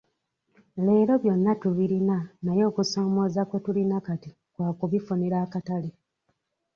Leero byonna tubirina naye okusoomooza kwe tulina kati kwa kubifunira akatale.